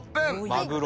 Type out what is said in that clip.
マグロ。